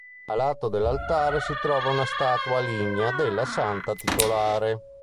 A lato dell'altare si trova una statua lignea della Santa titolare.